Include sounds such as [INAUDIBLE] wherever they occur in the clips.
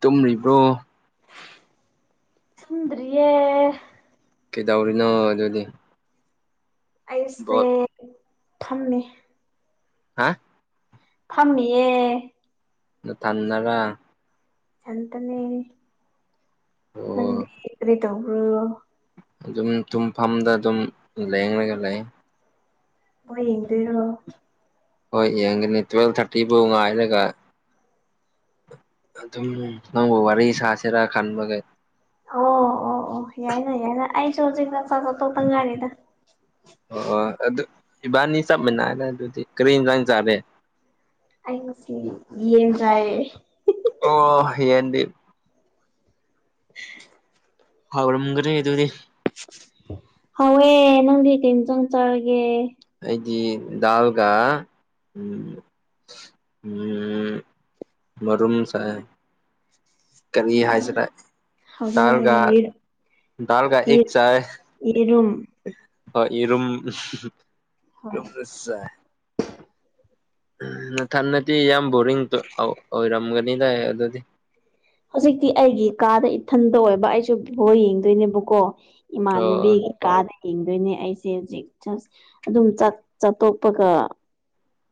ꯇꯨꯝꯔꯤꯕ꯭ꯔꯣ ꯊꯨꯝꯗꯔꯤꯌꯦ ꯀꯩꯗꯧꯔꯤꯅꯣ ꯑꯗꯨꯗꯤ ꯑꯩꯁꯦ ꯕꯣꯠ ꯐꯝꯃꯤ ꯍꯥ ꯐꯝꯃꯤꯌꯦ ꯅꯊꯟꯅꯔꯥ ꯏꯊꯟꯇꯅꯦ ꯅꯪꯗꯤ ꯑꯣ ꯀꯔꯤ ꯇꯧꯕ꯭ꯔꯣ ꯑꯗꯨꯝ ꯇꯨꯝꯐꯝꯗ ꯑꯗꯨꯝ ꯂꯦꯡꯉꯒ ꯂꯩ ꯕꯣꯜ ꯌꯦꯡꯗꯣꯏꯔꯣ ꯍꯣꯏ ꯌꯦꯡꯒꯅꯤ ꯇꯨꯋꯦꯜꯞ ꯊꯥꯔꯇꯤꯐꯧ ꯉꯥꯏꯔꯒ ꯑꯗꯨꯝ ꯅꯪꯒ ꯋꯥꯔꯤ ꯁꯥꯁꯤꯔꯥ ꯈꯟꯕꯒꯤ ꯑꯣ ꯑꯣ ꯑꯣ ꯌꯥꯏꯅ ꯌꯥꯏꯅ ꯑꯩꯁꯨ ꯍꯧꯖꯤꯛꯇ ꯆꯥꯛ ꯆꯥꯕ ꯇꯣꯛꯇ ꯉꯥꯏꯔꯤꯗ ꯑꯣ ꯑꯣ ꯑꯗꯨ ꯏꯕꯥꯅꯤ ꯆꯞ ꯃꯥꯟꯅꯔꯦ ꯑꯗꯨꯗꯤ ꯀꯔꯤ ꯏꯟꯖꯥꯡ ꯆꯥꯔꯦ ꯑꯩ ꯉꯁꯤ ꯌꯦꯟ ꯆꯥꯏꯌꯦ ꯑꯣ ꯌꯦꯟꯗꯤ ꯍꯥꯎꯔꯝꯒꯅꯤ ꯑꯗꯨꯗꯤ ꯍꯥꯎꯋꯦ ꯅꯪꯗꯤ ꯀꯔꯤ ꯏꯟꯖꯥꯡ ꯆꯥꯔꯒꯦ ꯑꯩꯗꯤ ꯗꯥꯜꯒ ꯎꯝ ꯎꯝ ꯃꯔꯨꯝ ꯆꯥꯏ ꯀꯔꯤ ꯍꯥꯏꯁꯤꯔ ꯗꯥꯜꯒ ꯍꯋꯥꯏ ꯗꯥꯜꯒ ꯑꯦꯛ ꯆꯥꯏ ꯌꯦꯔꯨꯝ ꯍꯣꯏ ꯌꯦꯔꯨꯝ ꯍꯣꯏ [UNINTELLIGIBLE] ꯆꯥꯏ ꯅꯊꯟꯅꯗꯤ ꯌꯥꯝ ꯕꯣꯔꯤꯡ ꯑꯩ ꯑꯣꯏ ꯔꯝꯒꯅꯤꯗꯥꯏ ꯑꯗꯨꯗꯤ ꯍꯧꯖꯤꯛꯇꯤ ꯑꯩꯒꯤ ꯀꯥꯗ ꯏꯊꯟꯇ ꯑꯣꯏꯕ ꯑꯩꯁꯨ ꯕꯣꯜ ꯌꯦꯡꯗꯣꯏꯅꯦꯕꯀꯣ ꯑꯣ ꯏꯃꯥꯟꯅꯕꯤꯒꯤ ꯀꯥꯗ ꯌꯦꯡꯗꯣꯏꯅꯦ ꯑꯩꯁꯦ ꯍꯧꯖꯤꯛ ꯖꯁ ꯑꯗꯨꯝ ꯆꯠ ꯆꯥꯠꯇꯣꯛꯄꯒ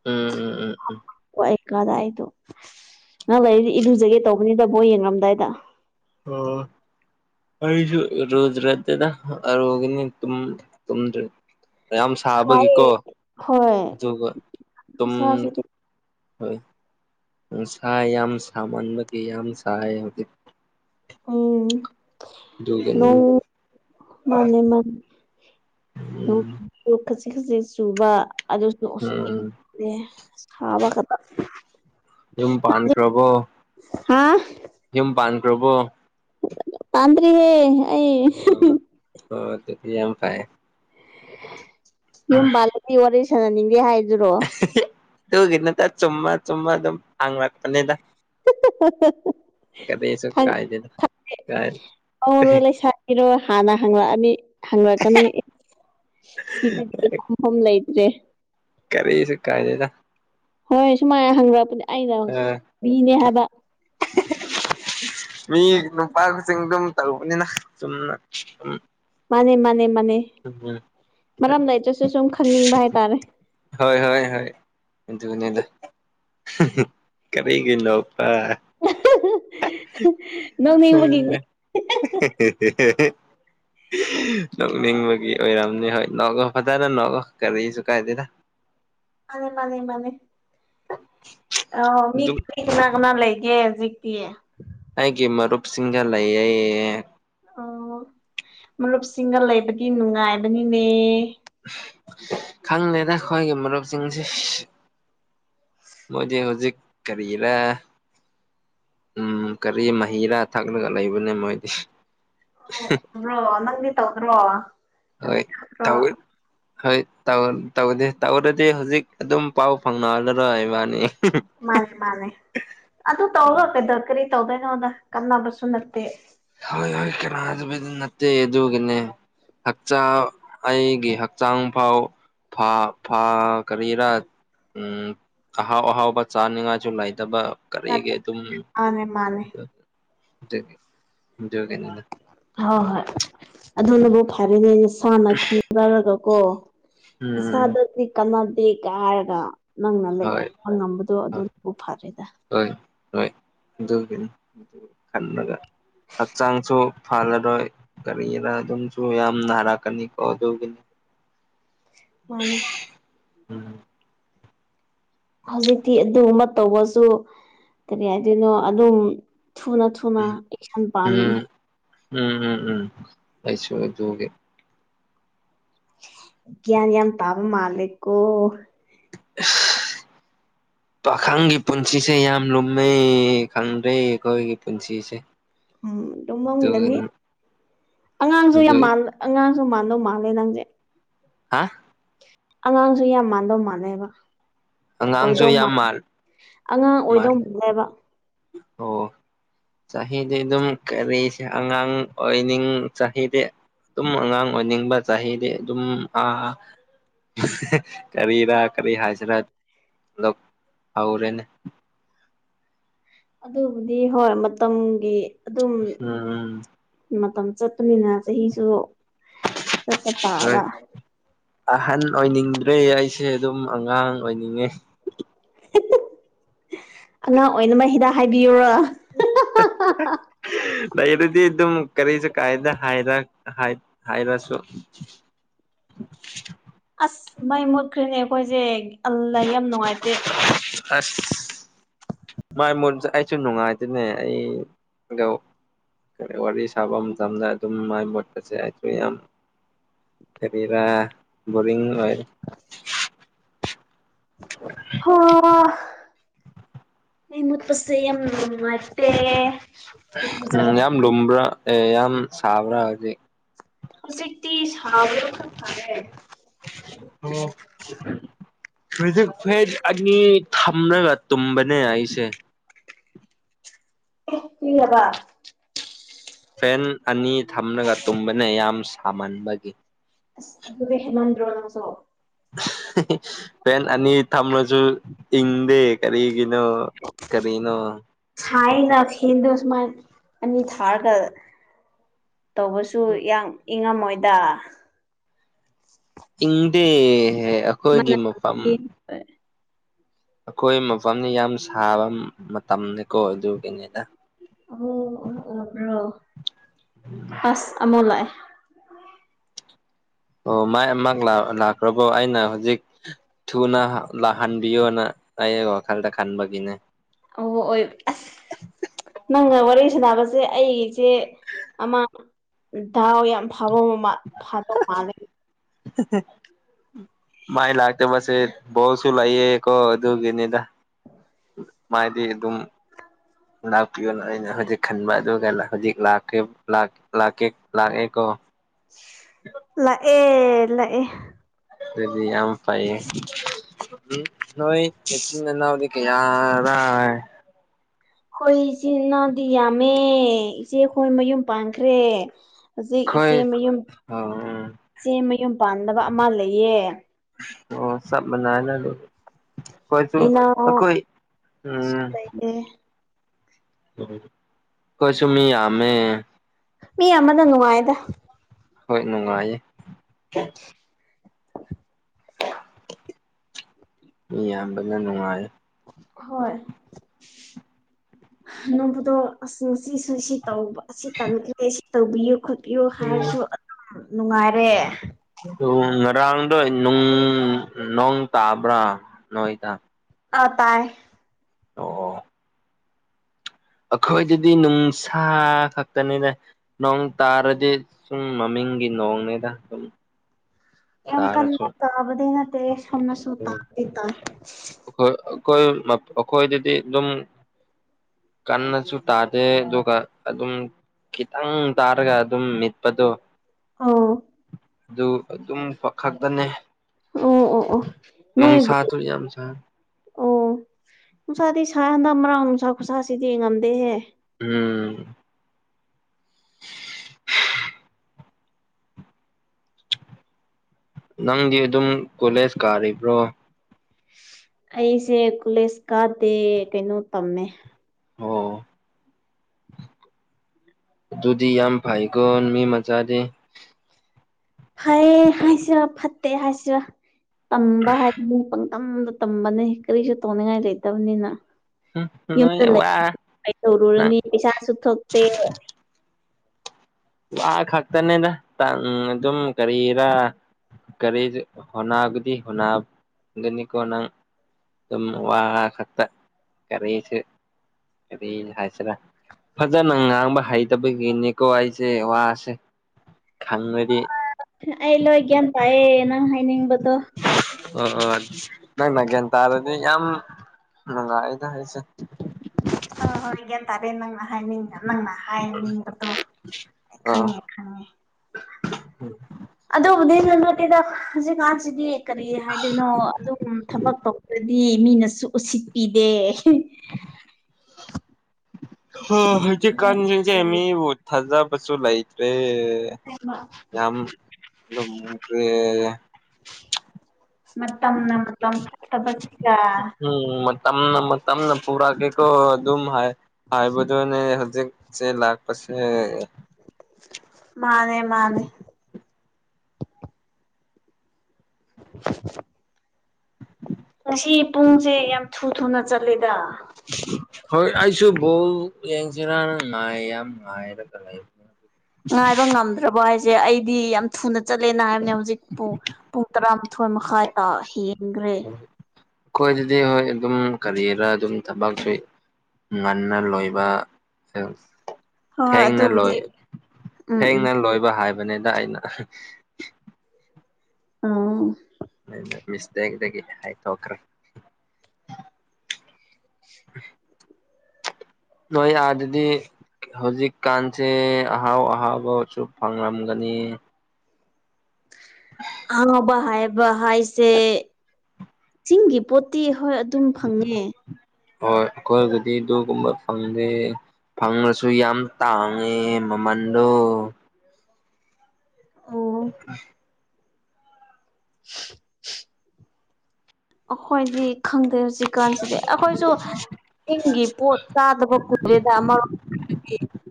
ꯎꯝ ꯎꯝ ꯎꯝ ꯑꯩ ꯀꯥꯗꯥ ꯑꯩꯗꯣ ꯉꯍꯥꯛ ꯂꯩꯔꯗꯤ ꯏꯔꯨꯖꯒꯦ ꯇꯧꯕꯅꯤꯗ ꯕꯣꯜ ꯌꯦꯡꯔꯝꯗꯥꯏꯗ ꯑꯣ ꯑꯩꯁꯨ ꯔꯨꯖ ꯔꯠꯇꯦꯗ ꯑꯔꯣꯏꯒꯅꯤ ꯇꯨꯝ ꯇꯨꯝꯗ꯭ꯔꯦ ꯌꯥꯝ ꯁꯥꯏꯌꯦ ꯁꯥꯕꯒꯤꯀꯣ ꯍꯣꯏ ꯑꯗꯨꯒ ꯇꯨꯝ ꯈꯨꯁꯥꯁꯤꯗꯤ ꯍꯣꯏ ꯁꯥ ꯌꯥꯝ ꯁꯥꯃꯟꯕꯒꯤ ꯌꯥꯝ ꯁꯥꯏ ꯍꯧꯖꯤꯛ ꯎꯝ ꯑꯗꯨꯒꯅꯤ ꯅꯣꯡ ꯃꯥꯟꯅꯦ ꯃꯥꯟꯅꯦ ꯎꯝ ꯅꯣꯡꯖꯨ ꯈꯖꯤꯛ ꯈꯖꯤꯛ ꯆꯨꯕ ꯑꯗꯨꯖꯨ ꯎꯝ ꯑꯦ ꯍꯥꯕ ꯈꯠꯇ ꯌꯨꯝ ꯄꯥꯟꯈ꯭ꯔꯕꯣ ꯍꯥꯥ ꯌꯨꯝ ꯄꯥꯟꯈ꯭ꯔꯕꯣ ꯄꯥꯟꯗꯔꯦ ꯍꯦ ꯑꯩ ꯑꯣ ꯑꯗꯨꯗꯤ ꯌꯥꯝ ꯐꯩꯌꯦ ꯌꯨꯝꯄꯥꯟꯕꯒꯤ ꯋꯥꯔꯤ ꯁꯥꯟꯅꯅꯤꯡꯗꯦ ꯍꯥꯏꯗꯨꯔꯣ ꯑꯗꯨꯒꯤ ꯅꯠꯇꯦ ꯆꯨꯝꯃ ꯆꯨꯝꯃ ꯑꯗꯨꯝ ꯍꯥꯡꯉꯛꯄꯅꯤꯗ [UNINTELLIGIBLE] ꯀꯔꯤꯁꯨ ꯀꯥꯏꯗꯦꯗ ꯀꯥꯏ ꯏꯔꯣ ꯍꯥꯟꯅ ꯍꯪꯂꯛꯑꯅꯤ ꯍꯪꯂꯛꯀꯅꯤ ꯁꯤ [UNINTELLIGIBLE] ꯗꯤ ꯐꯝ ꯂꯩꯇ꯭ꯔꯦ꯫ ꯀꯔꯤꯁꯨ ꯀꯥꯏꯗꯦꯗ ꯍꯣꯏ ꯁꯨꯃꯥꯏꯅ ꯍꯪꯔꯛꯄꯅꯦ ꯑꯩꯅ ꯃꯤꯅꯦ ꯍꯥꯏꯕ ꯃꯤ ꯅꯨꯄꯥ ꯈꯨꯗꯤꯡ ꯑꯗꯨꯝ ꯇꯧꯕꯅꯤꯅ ꯆꯨꯝꯅ ꯃꯥꯅꯦ ꯃꯥꯅꯦ ꯃꯥꯅꯦ ꯎꯝ ꯃꯔꯝ ꯂꯩꯏꯇ꯭ꯔꯁꯨ ꯁꯨꯝ ꯈꯪꯅꯤꯡꯕ ꯍꯥꯏꯇꯥꯔꯦ ꯍꯣꯏ ꯍꯣꯏ ꯍꯣꯏ ꯑꯗꯨꯅꯦꯗ ꯀꯔꯤꯒꯤ ꯅꯣꯛꯄꯥ [INAUDIBLE] ꯅꯣꯛꯅꯤꯡꯕꯒꯤꯅꯤ [INAUDIBLE] ꯅꯣꯛꯅꯤꯡꯕꯒꯤ ꯑꯣꯏꯔꯝꯅꯤ ꯍꯣꯏ ꯅꯣꯛꯑꫭ ꯐꯖꯅ ꯅꯣꯛꯑꫭ ꯀꯔꯤꯁꯨ ꯀꯥꯏꯗꯦꯗ ꯃꯥꯅꯦ ꯃꯥꯅꯦ ꯃꯥꯅꯦ ꯑꫭ ꯃꯤ ꯑꯗꯨꯝ ꯀꯅꯥ ꯀꯅꯥ ꯂꯩꯒꯦ ꯍꯧꯖꯤꯛꯇꯤ ꯑꯩꯒꯤ ꯃꯔꯨꯞꯁꯤꯡꯒ ꯂꯩꯌꯦ꯫ ꯑꯣ ꯃꯔꯨꯞꯁꯤꯡꯒ ꯂꯩꯕꯒꯤ ꯅꯨꯡꯉꯥꯏꯕꯅꯤꯅꯦ ꯈꯪꯂꯦꯗ ꯑꯩꯈꯣꯏꯒꯤ ꯃꯔꯨꯞꯁꯤꯡꯁꯦ ꯃꯣꯏꯗꯤ ꯍꯧꯖꯤꯛ ꯀꯔꯤꯔꯥ ꯎꯝ ꯀꯔꯤ ꯃꯍꯤꯔꯥ ꯊꯛꯂꯒ ꯂꯩꯕꯅꯦ ꯃꯣꯏꯗꯤ ꯑꯣꯕ꯭ꯔꯣ ꯅꯪꯗꯤ ꯇꯧꯗ꯭ꯔꯣ ꯅꯪꯗꯤ ꯍꯣꯏ ꯈꯪꯗ꯭ꯔꯣ ꯇꯧꯏ ꯍꯣꯏ ꯇꯧ ꯇꯧꯗꯦ ꯇꯧꯗꯔꯗꯤ ꯍꯧꯖꯤꯛ ꯑꯗꯨꯝ ꯄꯥꯎ ꯐꯥꯎꯅ ꯍꯥꯜꯂꯔꯣꯏ ꯏꯕꯥꯅꯤ ꯃꯥꯅꯦ ꯃꯥꯅꯦ ꯑꯗꯨ ꯇꯧꯔꯒ ꯀꯩꯗ ꯀꯔꯤ ꯇꯧꯗꯣꯏꯅꯣꯗ ꯀꯥꯟꯅꯕꯁꯨ ꯅꯠꯇꯦ ꯍꫭꯏ ꯍꯣꯏ ꯀꯅꯥ [UNINTELLIGIBLE] ꯅꯠꯇꯦ ꯑꯗꯨꯒꯤꯅꯦ ꯍꯛꯆꯥꯡ ꯑꯩꯒꯤ ꯍꯛꯆꯥꯡ ꯐꯥꯎ ꯐꯥ ꯐꯥ ꯀꯔꯤꯔꯥ ꯎꯝ ꯑꯍꯥꯎ ꯑꯍꯥꯎꯕ ꯆꯥꯅꯤꯉꯥꯏꯁꯨ ꯂꯩꯇꯕ ꯅꯠ ꯀꯔꯤꯒꯦ ꯑꯗꯨ ꯃꯥꯅꯦ ꯃꯥꯅꯦ [UNINTELLIGIBLE] ꯑꯗꯨꯒꯤ ꯑꯗꯨꯒꯤꯅꯤꯗ ꯍꯣꯏ ꯍꯣꯏ ꯑꯗꯨꯅꯕꯨ ꯐꯔꯦꯅꯦ ꯅꯁꯥꯅ ꯈꯪꯖ꯭ꯥꯔꯒ ꯀꯣ ꯎꯝ ꯏꯁꯥꯗꯗꯤ ꯀꯅꯥꯗꯦꯒ ꯍꯥꯏꯔꯒ ꯅꯪꯅ ꯍꯣꯏ ꯂꯩꯕ ꯉꯝꯕꯗꯣ ꯍꯣꯏ ꯑꯗꯨꯅꯕꯨ ꯐꯔꯦꯗ ꯍꯣꯏ ꯍꯣꯏ ꯑꯗꯨꯒꯤꯅꯤ [UNINTELLIGIBLE] ꯈꯜꯂꯒ ꯍꯛꯆꯥꯡꯁꯨ ꯐꯍꯜꯂꯔꯣꯏ ꯀꯔꯤꯔꯥ ꯑꯗꯨꯝꯁꯨ ꯌꯥꯝꯅ ꯍꯥꯏꯔꯛꯀꯅꯤꯀꯣ ꯑꯗꯨꯒꯤꯅꯤ ꯃꯥꯅꯦ ꯎꯝ꯫ ꯍꯧꯖꯤꯛꯇꯤ ꯑꯗꯨꯒꯨꯝꯕ ꯇꯧꯕꯁꯨ ꯀꯔꯤ ꯍꯥꯏꯗꯣꯏꯅꯣ ꯑꯗꯨꯝ ꯊꯨꯅ ꯊꯨ ꯎꯝ ꯎꯝ ꯎꯝ ꯎꯝ ꯑꯩꯁꯨ ꯑꯗꯨꯒꯤ ꯒ꯭ꯤꯌꯥꯟ ꯌꯥꯝ ꯇꯥꯕ ꯃꯥꯜꯂꯦꯀꯣ [INAUDIBLE] ꯄꯥꯈꯪꯒꯤ ꯄꯨꯟꯁꯤꯁꯦ ꯌꯥꯝ ꯂꯨꯝꯃꯦ ꯈꯪꯗ꯭ꯔꯦ ꯑꯩꯈꯣꯏꯒꯤ ꯄꯨꯟꯁꯤꯁꯦ ꯎꯝ꯫ ꯂꯨꯃꯥꯝꯒꯅꯤ ꯑꯗꯨꯒꯤꯅꯤ ꯑꯉꯥꯡꯁꯨ ꯌꯥꯝ ꯑꯗꯨ ꯃꯥꯜ ꯑꯉꯥꯡꯁꯨ ꯃꯥꯟꯗꯧ ꯃꯥꯜꯂꯦ ꯅꯪꯁꯦ ꯍꯥ ꯑꯉꯥꯡꯁꯨ ꯌꯥꯝ ꯃꯥꯟꯅꯗꯧ ꯃꯥꯟꯂꯦꯕ ꯑꯉꯥꯡꯁꯨ ꯑꯣꯏꯗꯧ ꯌꯥꯝ ꯃꯥꯜꯂ ꯃꯥꯜ ꯑꯉꯥꯡ ꯑꯣꯏꯗꯧ ꯃꯥꯜꯂꯦ ꯃꯥꯜꯂꯦꯕ ꯑꯣ ꯆꯍꯤꯗꯤ ꯑꯗꯨꯝ ꯀꯔꯤꯁꯦ ꯑꯉꯥꯡ ꯑꯣꯏꯅꯤꯡ ꯆꯍꯤꯗꯤ ꯑꯗꯨꯝ ꯑꯉꯥꯡ ꯑꯣꯏꯅꯤꯡꯕ ꯆꯍꯤꯗꯤ ꯑꯗꯨꯝ ꯑꯥ ꯀꯔꯤꯔꯥ ꯀꯔꯤ ꯍꯥꯏꯁꯤꯔꯥ ꯂ ꯍꯧꯔꯦꯅꯦ ꯑꯗꯨꯕꯨꯗꯤ ꯍꯣꯏ ꯃꯇꯝꯒꯤ ꯑꯗꯨꯝ ꯎꯝ ꯃꯇꯝ ꯆꯠꯄꯅꯤꯅ ꯆꯍꯤꯁꯨ ꯆꯠꯄ ꯍꯣꯏ ꯇꯥꯕ ꯑꯍꯟ ꯑꯣꯏꯅꯤꯡꯗ꯭ꯔꯦ ꯑꯩꯁꯦ ꯑꯗꯨꯝ ꯑꯉꯥꯡ ꯑꯣꯏꯅꯤꯡꯉꯦ ꯑꯉꯥꯡ ꯑꯣꯏꯅꯃꯛ ꯍꯤꯗꯥꯛ ꯍꯥꯏꯕꯤꯌꯨꯔ ꯅꯩꯔꯗꯤ ꯑꯗꯨꯝ ꯀꯔꯤꯁꯨ ꯀꯥꯏꯗ ꯍꯥꯏꯔꯛ ꯍꯥꯏ ꯍꯥꯏꯔꯁꯨ ꯑꯁ ꯃꯩ ꯃꯨꯠꯈ꯭ꯔꯦꯅꯦ ꯑꯩꯈꯣꯏꯁꯦ ꯑꯜꯂ ꯌꯥꯝ ꯅꯨꯡꯉꯥꯏꯇꯦ ꯑꯁ ꯃꯩ ꯃꯨꯠꯁꯦ ꯑꯩꯁꯨ ꯅꯨꯡꯉꯥꯏꯇꯦꯅꯦ ꯑꯩꯗ ꯀ ꯋꯥꯔꯤ ꯁꯥꯕ ꯃꯇꯝꯗ ꯑꯗꯨꯝ ꯃꯩ ꯃꯣꯠꯄꯁꯦ ꯑꯩꯁꯨ ꯌꯥꯝ ꯀꯔꯤꯔꯥ ꯕꯣꯔꯤꯡ ꯑꯣꯏ ꯍ ꯃꯩ ꯃꯨꯠꯄꯁꯦ ꯌꯥꯝ ꯅꯨꯉꯥꯏꯇꯦ ꯎꯝ ꯌꯥꯝ ꯂꯨꯝ꯭ꯔꯥ ꯑꯦ ꯌꯥꯝ ꯁꯥꯕ꯭ꯔꯥ ꯍꯧꯖꯤꯛ ꯍꯧꯖꯤꯛꯇꯤ [UNINTELLIGIBLE] ꯃꯥꯜꯂꯦ ꯍꯂꯣ ꯍꯧꯗꯛ ꯐꯦꯠ ꯑꯅꯤ ꯊꯝꯂꯒ ꯇꯨꯝꯕꯅꯦ ꯑꯩꯁꯦ ꯀꯔꯤ ꯍꯥꯏꯕꯥ ꯐꯦꯟ ꯑꯅꯤ ꯊꯝꯂꯒ ꯇꯨꯝꯕꯅꯦ ꯌꯥꯝ ꯁꯥꯃꯟꯕꯒꯤ ꯑꯁ ꯑꯗꯨꯗꯤ ꯍꯦꯟꯃꯟꯗ꯭ꯔꯣ ꯅꯪꯁꯨ [INAUDIBLE] ꯐꯦꯟ ꯑꯅꯤ ꯊꯝꯂꯁꯨ ꯏꯪꯗꯦ ꯀꯔꯤꯒꯤꯅꯣ ꯀꯔꯤꯅꯣ ꯁꯥꯏꯅ ꯐꯦꯟꯗꯣ ꯁꯨꯃꯥꯏ ꯑꯅꯤ ꯊꯥꯔꯒꯥ ꯇꯧꯕꯁꯨ ꯌꯥꯝ ꯏꯪꯉꯝꯃꯣꯏꯗ ꯏꯪꯗꯦꯍꯦ ꯑꯩꯈꯣꯏꯒꯤ ꯃꯅꯝ ꯃꯐꯝ ꯑꯩꯈꯣꯏ ꯃꯐꯝꯅꯤ ꯌꯥꯝ ꯁꯥꯕ ꯃꯇꯝꯅꯤꯀꯣ ꯑꯗꯨꯒꯤꯅꯤꯗ ꯑꯣ [UNINTELLIGIBLE] ꯍꯁ ꯑꯃꯣ ꯂꯥꯛꯑꯦ ꯑꯣ ꯃꯩ ꯑꯃ ꯑꯃꯣꯛ ꯂꯥꯛꯈ꯭ꯔꯕꯣ ꯑꯩꯅ ꯍꯧꯖꯤꯛ ꯊꯨꯅ ꯂꯥꯛꯍꯟꯕꯤꯌꯣꯅ ꯑꯩ ꯋꯥꯈꯜꯗ ꯈꯟꯕꯒꯤꯅꯦ ꯑꯣ ꯑꯣꯏ ꯅꯪꯒ ꯋꯥꯔꯤ ꯁꯥꯟꯅꯕꯁꯦ ꯑꯩ ꯏꯆꯦ ꯑꯃ ꯗꯥꯀꯥꯇ ꯌꯥꯝ ꯐꯥꯕ ꯐꯗꯩ ꯃꯥꯜꯂꯦ [UNINTELLIGIBLE] ꯃꯥꯥꯏ ꯂꯥꯛꯇꯕꯁꯦ ꯕꯣꯜꯁꯨ ꯂꯩꯌꯦ ꯀꯣ ꯑꯗꯨ ꯒꯤꯅꯤꯗ ꯃꯥꯥꯏꯗꯤ ꯑꯗꯨꯝ ꯂꯥꯛꯄꯤꯌꯣꯅ ꯑꯩꯅ ꯍꯧꯖꯤꯛ ꯈꯟꯕ ꯑꯗꯨꯒ ꯍꯧꯖꯤꯛ ꯂꯥꯛꯈ ꯂꯥꯛꯑꯦꯀꯣ ꯂꯥꯛꯑꯦ ꯂꯥꯛꯑꯦ ꯑꯗꯨꯗꯤ ꯌꯥꯝ ꯐꯥꯏꯌꯦ ꯎꯝ ꯅꯣꯏ ꯅꯆꯤꯟ ꯅꯄꯥꯎꯗꯤ ꯀꯌꯥꯔꯥ ꯑꯩꯈꯣꯏ ꯏꯆꯤꯟꯜ ꯏꯅꯥꯎꯗꯤ ꯌꯥꯝꯃꯦ ꯏꯆꯦꯈꯣꯏ ꯃꯌꯨꯝ ꯄꯥꯟꯈ꯭ꯔꯦ ꯍꯧꯖꯤꯛ ꯏꯆꯦ ꯑꯩꯈꯣꯏ ꯃꯌꯨꯝ ꯑꯣ ꯏꯆꯦ ꯃꯌꯨꯝ ꯄꯥꯟꯗꯅꯕ ꯑꯃ ꯂꯩꯌꯦ ꯑꯣ ꯁꯅꯅꯦ ꯀꯣꯏꯁꯨ ꯏꯅꯥꯎ ꯑꯩꯈꯣꯏ ꯎꯝ ꯂꯩꯌꯦ ꯀꯣꯏꯁꯨꯣꯃꯤ ꯌꯥꯃꯦ ꯃꯤ ꯑꯃꯅ ꯅꯨꯡꯉꯥꯏꯗ ꯍꯣꯏ ꯅꯨꯡꯉꯥꯏꯌꯦ ꯃꯤꯌꯥꯝꯕꯅ ꯅꯨꯡꯉꯥꯏ ꯍꯣꯏ ꯅꯕꯨꯗꯁꯤꯁꯤ ꯑꯁꯤ ꯇꯝꯈ꯭ꯔꯦ ꯁꯤ ꯇꯧꯕꯤꯌꯨ ꯈꯣꯠꯄꯤꯌꯨ ꯍꯥꯏꯔꯁꯨ ꯑꯗꯨꯝ ꯅꯨꯡꯉꯥꯏꯔꯦ ꯉꯔꯥꯡꯗꯣꯅꯨꯡ ꯅꯣꯡ ꯇꯥꯕ꯭ꯔꯥ ꯅꯣꯏꯗ ꯑ ꯇꯥꯏ ꯑꯣ ꯑꯣ ꯑꯩꯈꯣꯏꯗꯗꯤ ꯅꯨꯡꯁꯥ ꯈꯛꯇꯅꯤꯗ ꯅꯣꯡ ꯇꯥꯔꯗꯤ ꯁꯨꯝ ꯃꯃꯤꯡꯒꯤ ꯅꯣꯡꯅꯦꯗ ꯀ ꯇꯥꯔꯁꯨ ꯀꯟꯅ ꯇꯥꯕꯗꯅ ꯍꯅꯁꯨꯇꯥꯥꯞ ꯇ ꯑꯩꯈꯣꯏ ꯑꯩꯈꯣꯏꯗꯗꯤ ꯑꯗꯨꯝ ꯀꯟꯅꯁꯨ ꯇꯥꯗꯦ ꯑꯗꯨꯒ ꯑꯗꯨꯝ ꯈꯤꯇꯪ ꯇꯥꯔꯒ ꯑꯗꯨꯝ ꯃꯤꯠꯄꯗꯣ ꯑꯧ ꯑꯗꯨ ꯑꯗꯨꯝ ꯈꯛꯇꯅꯦ ꯑꯣ ꯑꯣ ꯑꯣ ꯅꯣꯏ ꯎꯝ ꯑꯣ ꯅꯨꯡꯁꯥꯗꯤ ꯁꯥ ꯍꯟꯗ ꯃꯔꯥꯡ ꯅꯨꯡꯁꯥ ꯈꯨꯠꯁꯥꯁꯤꯗꯤ ꯌꯦꯡ ꯉꯝꯗꯦꯍꯦ ꯎꯝ ꯅꯪꯗꯤ ꯑꯗꯨꯝ ꯀꯣꯂꯦꯖ ꯀꯥꯔꯤꯕ꯭ꯔꯣ ꯑꯩꯁꯦ ꯀꯣꯂꯦꯖ ꯀꯥꯗꯦ ꯀꯩꯅꯣ ꯇꯝꯃꯦ ꯑꯣ ꯑꯗꯨꯗꯤ ꯌꯥꯝ ꯐꯩꯀꯣ ꯃꯤ ꯃꯆꯥꯗꯤ ꯐꯩ ꯍꯥꯏꯁꯤꯔꯥ ꯐꯠꯇꯦ ꯍꯥꯏꯁꯤꯔꯥ ꯇꯝꯕ ꯍꯥꯏ ꯇꯝꯗ ꯇꯝꯕꯅꯦ ꯀꯔꯤꯁꯨ ꯇꯧꯅꯤꯡꯉꯥꯏ ꯂꯩꯇꯕꯅꯤꯅ ꯍꯨꯝ ꯅꯣꯏ ꯌꯨꯝꯗ ꯋꯥ ꯅꯪ ꯇꯧꯔꯨꯔꯅꯤ ꯄꯩꯁꯥꯁꯨ ꯊꯣꯛꯇꯦ ꯋꯥ ꯈꯛꯇꯅꯦꯗ ꯑꯗꯨꯝ ꯀꯔꯤꯔꯥ ꯀꯔꯤ ꯍꯣꯒꯗꯤ ꯍꯣꯅꯒꯅꯤꯀꯣ ꯅꯪ ꯑꯗꯨꯝ ꯋꯥ ꯈꯛꯇ ꯀꯔꯤꯁ ꯀꯔꯤ ꯍꯥꯏꯁꯤꯔꯥ ꯐꯖꯅ ꯉꯥꯡꯕ ꯍꯩꯇꯕꯒꯤꯅꯤꯀꯣ ꯑꯩꯁꯦ ꯁ‌ꯦ ꯋꯥꯁꯦ ꯈꯪꯉꯗꯤ ꯑꯩ ꯂꯣꯏꯒ꯭ꯌꯥꯟ ꯇꯥꯏꯑꯌꯦ ꯅꯪ ꯍꯥꯏꯅꯤꯡꯕꯗꯣ ꯑꯣ ꯅꯣꯏ ꯃꯒꯦꯟ ꯇꯥꯔꯗꯤ ꯌꯥꯝ ꯅꯨꯡꯉꯥꯏꯗ ꯍꯥꯏꯁꯦ ꯍ‌ꯣꯏ ꯍꯣꯏ ꯒ꯭ꯌꯥꯟ ꯇꯔꯦ ꯅꯪꯅ ꯍꯥꯏ ꯅꯪꯅ ꯍꯥꯏ ꯅꯤꯡꯕꯗꯣ ꯑꯩ ꯈꯪꯉꯦ ꯈꯪꯉꯦ ꯎꯝ ꯑꯗꯨꯕꯨꯗꯤ ꯅ ꯅꯠꯇꯦꯗ ꯍꯧꯖꯤꯛꯀꯥꯟꯁꯤꯗꯤ ꯀꯔꯤ ꯍꯥꯏꯗꯣꯏꯅꯣ ꯑꯗꯨꯝ ꯊꯕꯛ ꯇꯧꯕꯗ꯭ꯔꯗꯤ ꯃꯤꯅꯁꯨ ꯎꯁꯤꯠꯄꯤꯗꯦ ꯍ ꯍꯧꯖꯤꯛ ꯅꯣꯏ ꯀꯥꯟꯁꯦ ꯂꯩꯇꯦ ꯃꯤ ꯊꯥꯖꯕꯁꯨ ꯂꯩꯥꯏꯇ꯭ꯔꯦ ꯌꯥꯝ ꯃꯔꯤ ꯃꯇꯝ ꯅ ꯃꯇꯝ ꯐꯠꯇꯕꯒ ꯎꯝ ꯇꯝꯅ ꯇꯅ ꯄꯨꯔꯥ ꯀꯩꯀꯣ ꯑꯗꯨꯝ ꯍꯥꯏ ꯍꯕꯗꯨꯅꯦ ꯍꯧꯖꯤꯛ ꯆ ꯂꯥꯛ ꯄꯁꯦ ꯃꯥꯅꯦ ꯃꯥꯅꯦ [INAUDIBLE] ꯉꯁꯤ ꯄꯨꯡꯁꯦ ꯌꯥꯝ ꯊꯨ ꯊꯨꯅ ꯆꯠꯂꯦꯗ ꯍꯣꯏ ꯑꯩꯁꯨ ꯕꯧ ꯌꯦꯡꯁꯤꯔꯅ ꯉꯥꯏ ꯌꯥꯝ ꯉꯥꯏꯔꯒ ꯂꯩ ꯉꯥꯏꯕ ꯉꯝꯗ꯭ꯔꯕ ꯍꯥꯏꯁꯦ ꯑꯩꯗꯤ ꯌꯥꯝ ꯊꯨꯅ ꯆꯠꯂꯦꯅ ꯍꯥꯏꯕꯅꯦ ꯍꯧꯖꯤꯛꯄꯨ ꯄꯨꯡ ꯇꯔꯥ ꯃꯊꯣꯏ ꯃꯈꯥꯏ ꯇꯥ ꯍ‌ꯦꯟꯈ꯭ꯔꯦ ꯑꯩꯈꯣꯏ ꯑꯗꯨꯗꯤ ꯍꯣꯏ ꯑꯗꯨꯝ ꯀꯔꯤꯔꯥ ꯑꯗꯨꯝ ꯊꯕꯛ ꯁꯨꯏ ꯉꯟꯅ ꯂꯣꯏꯕ ꯁꯦ ꯍꯣꯏ ꯍꯣꯏ ꯊꯦꯡꯅ ꯂꯣꯏ ꯑꯗꯨꯕꯨꯗꯤ ꯊꯦꯡꯅ ꯎꯝ ꯂꯣꯏꯕ ꯍꯥꯏꯕꯅꯤꯗ ꯑꯩꯅ ꯑꯥ ꯅ ꯃꯤꯁ ꯗꯗꯗꯒꯤ [UNINTELLIGIBLE] ꯍꯥꯏ ꯇꯈ꯭ꯔꯦ ꯅꯣꯏ ꯑꯥ ꯑꯗꯨꯗꯤ ꯍꯧꯖꯤꯛꯀꯥꯟꯁꯦ ꯑꯍꯥꯎ ꯑꯍꯥꯎꯕꯁꯨ ꯐꯪꯂꯝꯒꯅꯤ ꯑꯥꯎꯕ ꯍꯥꯏꯕ ꯍꯥꯏꯁꯦ ꯆꯤꯡꯒꯤ ꯄꯣꯠꯇꯤ ꯍꯣꯏ ꯑꯗꯨꯝ ꯐꯪꯉꯦ ꯍꯣꯏ ꯑꯩꯈꯣꯏꯕꯨꯗꯤ ꯑꯗꯨꯒꯗꯨꯒꯨꯝꯕ ꯐꯪꯗꯦ ꯐꯪꯂꯉꯁꯨ ꯌꯥꯝ ꯇꯥꯡꯉꯦ ꯃꯃꯟꯗꯣ ꯑꯣ ꯑ [UNINTELLIGIBLE] ꯑꯩꯈꯣꯏꯗꯤ ꯈꯪꯗꯦ ꯍꯧꯖꯤꯛ ꯍꯧꯖꯤꯛꯀꯥꯟꯁꯤꯗꯤ ꯑꯩꯈꯣꯏꯁꯨ ꯆꯤꯡꯒꯤ ꯄꯣꯠ ꯆꯥꯗꯕ ꯀꯨꯏꯔꯦꯗ ꯑꯃꯣꯝ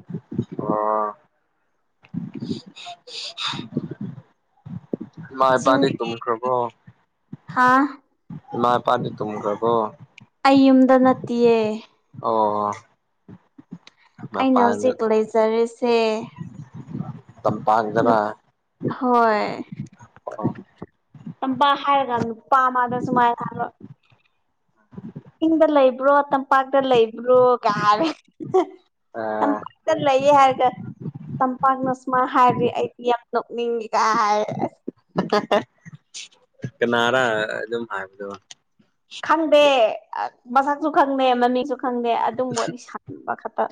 ꯑꫭ ꯆꯤꯡꯗꯒꯤ ꯍꯥꯥ ꯏꯃꯥ ꯏꯄꯥꯗꯤ ꯇꯨꯝꯈꯔꯥꯥꯕꫭ ꯑꯩ ꯌꯨꯝꯗ ꯅꯠꯇꯤꯌꯦ ꯑꯣ ꯑꯩꯅ ꯃꯄꯥꯟꯗ ꯍꯧꯖꯤꯛ ꯂꯩꯖꯔꯤꯁꯦ ꯇꯝꯄꯥꯛꯗꯔꯥꯥ ꯍꯣꯏ ꯑꯣ ꯇꯄꯥ ꯍꯥꯏꯔꯒ ꯅꯨꯄꯥ ꯃꯥꯗ [UNINTELLIGIBLE] ꯁꯨꯃꯥꯏꯅ ꯍꯥꯏꯕ ꯆꯤꯡꯗ ꯂꯩꯕ꯭ꯔꯣ ꯇꯝꯄꯥꯛꯇ ꯂꯩꯕ꯭ꯔꯣ ꯀꯥꯏ ꯍꯥꯏꯔꯦ ꯑ ꯇꯝꯄꯥꯛꯇ ꯂꯩꯌꯦ ꯍꯥꯏꯔꯒ ꯇꯝꯄꯥꯛꯅ ꯁꯃꯥꯏ ꯍꯥꯏꯔꯗꯤ ꯑꯩꯗꯤ ꯌꯥꯝ ꯅꫭꯡꯅꯤꯡꯉꯤ ꯀꯥꯏ ꯑꯁ ꯀꯅꯥꯔ ꯑꯗꯨꯝ ꯍꯥꯏꯕꯗꯨ ꯈꯪꯗꯦ ꯃꯁꯛꯁꯨ ꯈꯪꯗꯦ ꯃꯃꯤꯁꯨ ꯈꯪꯗꯦ ꯑꯗꯨꯝ ꯋꯔꯤ ꯁꯥꯕꯤꯕ ꯈꯛꯇ